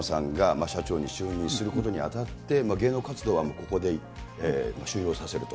今回、東山さんが社長に就任することにあたって、芸能活動はもうここで終了させると。